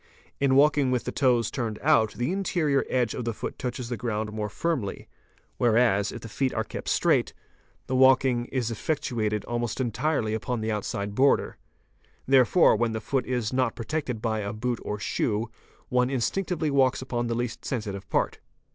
In walking with the toes turned out the interior edge of the foot touches the ground more firmly, whereas, if the feet are kept straight, the walking is effectuated almost entirely upon the outside border. There fore, when the foot is not protected by a boot or shoe, one instinctively | walks upon the least sensitive part.